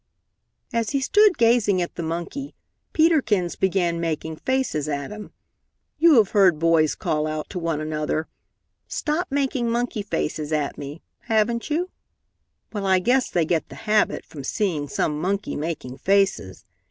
As he stood gazing at the monkey, Peter Kins began making faces at him. You have heard boys call out to one another, "Stop making monkey faces at me!" haven't you? Well, I guess they get the habit from seeing some monkey making faces.